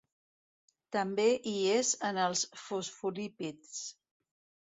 També hi és en els fosfolípids.